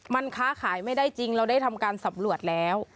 มันค้าขายไม่ได้จริงเราได้ทำการสำรวจแล้ว